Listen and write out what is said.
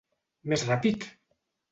Més ràpid!